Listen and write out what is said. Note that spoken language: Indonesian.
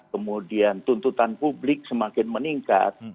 kemudian tuntutan publik semakin meningkat